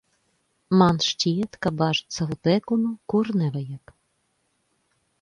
Man šķiet, ka bāžat savu degunu, kur nevajag.